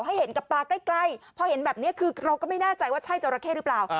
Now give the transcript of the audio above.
ให้เห็นกับตาใกล้พอเห็นแบบนี้คือเราก็ไม่แน่ใจว่าใช่จราเข้หรือเปล่า